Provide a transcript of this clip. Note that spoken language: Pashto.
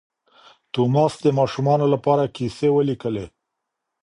توماس د ماشومانو لپاره کیسې ولیکلې.